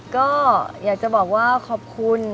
ก็อยากจะบอกว่าขอบคุณ